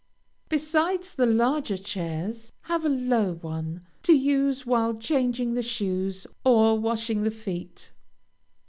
Besides the larger chairs, have a low one, to use while changing the shoes or washing the feet.